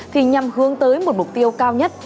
thì nhằm hướng tới một mục tiêu cao nhất